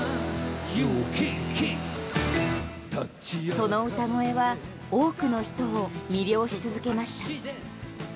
その歌声は多くの人を魅了し続けました。